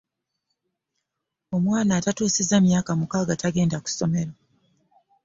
Omwana atatuusiza myaka mukaaga, tagenda ku ssomero.